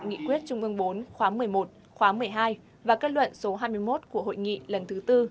nghị quyết trung ương bốn khóa một mươi một khóa một mươi hai và kết luận số hai mươi một của hội nghị lần thứ tư